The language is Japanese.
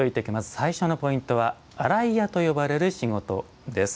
最初のポイントは「洗い屋と呼ばれる仕事」です。